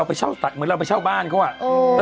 แต่อันนี้เหมือนเราก็ไปเช่าบ้านเขาครับ